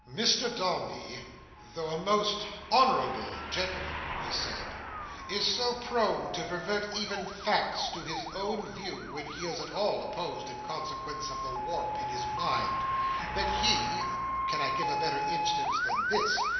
"Mr Dombey, though a most honourable gentleman," he said, "is so prone to pervert even facts to his own view, when he is at all opposed, in consequence of the warp in his mind, that he—can I give a better instance than this!